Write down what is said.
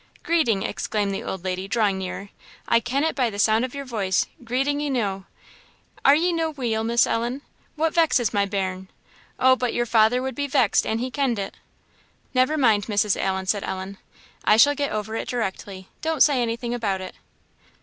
"Greeting!" exclaimed the old lady, drawing nearer, "I ken it by the sound of your voice; greeting eenow! Are ye no weel, Miss Ellen? What vexes my bairn? Oh, but your father would be vexed an he kenned it!" "Never mind, Mrs. Allen," said Ellen; "I shall get over it directly; don't say anything about it."